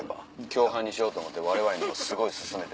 共犯にしようと思ってわれわれにもすごい薦めて。